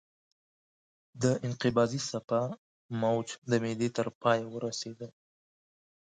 د انقباضي څپه موج د معدې تر پایه ورسېده.